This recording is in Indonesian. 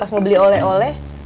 mau beli oleh oleh